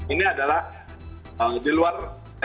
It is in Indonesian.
ini adalah di luar